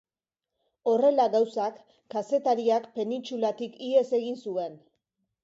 Horrela gauzak, kazetariak penintsulatik ihes egin zuen.